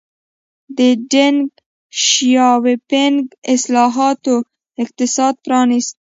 د ډینګ شیاوپینګ اصلاحاتو اقتصاد پرانیسته.